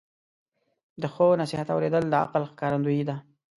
د ښو نصیحت اوریدل د عقل ښکارندویي ده.